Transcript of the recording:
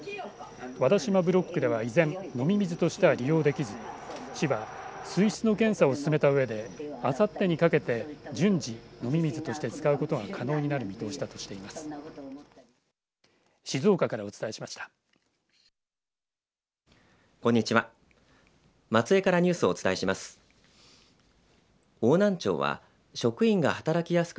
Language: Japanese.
和田島ブロックでは依然飲み水としては利用できず市は水質の検査を進めたうえであさってにかけて順次飲み水として使うことが可能になる見通しだとしています。